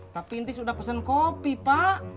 tapi intis udah pesen kopi pak